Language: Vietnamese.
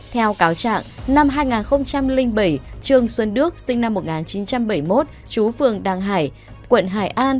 trạng năm hai nghìn bảy trương xuân đức sinh năm một nghìn chín trăm bảy mươi một chú phường đăng hải quận hải an